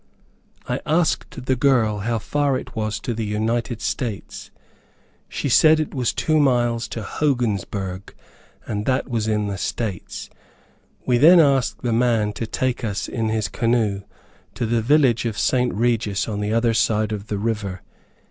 I asked the girl how far it was to the United States. She said it was two miles to Hogansburg, and that was in the States. We then asked the man to take us in his canoe to the village of St. Regis on the other side of the river.